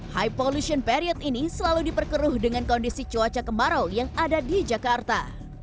high polution period ini selalu diperkeruh dengan kondisi cuaca kemarau yang ada di jakarta